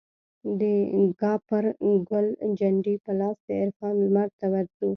دکاپرګل جنډې په لاس دعرفان لمرته ورځو